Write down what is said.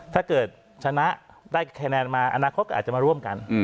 ถ้าเกิดชนะได้คะแนนมาอนาคตก็อาจจะมาร่วมกัน